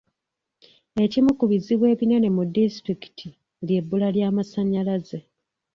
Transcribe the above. Ekimu ku bizibu ebinene mu disitulikiti ly'ebbula ly'amasannyalaze.